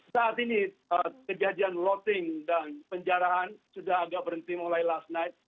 saat ini kejadian loating dan penjarahan sudah agak berhenti mulai last night